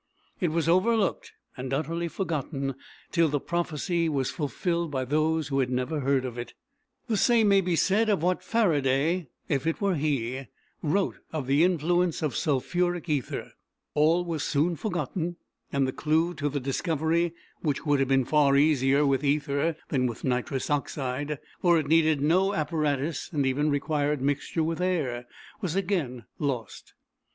It was overlooked and utterly forgotten till the prophecy was fulfilled by those who had never heard of it. The same may be said of what Faraday, if it were he, wrote of the influence of sulphuric ether. All was soon forgotten, and the clue to the discovery, which would have been far easier with ether than with nitrous oxide, for it needed no apparatus and even required mixture with air, was again lost.